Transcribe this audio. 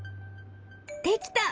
できた！